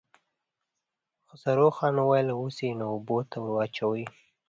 خسرو خان وويل: اوس يې نو اوبو ته ور واچوئ.